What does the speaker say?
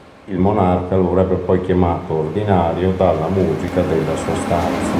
Il monarca lo avrebbe poi chiamato "ordinario" dalla musica della sua stanza.